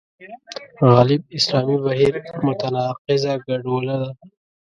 غالب اسلامي بهیر متناقضه ګډوله ده.